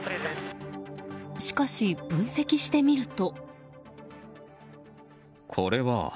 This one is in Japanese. しかし、分析してみると。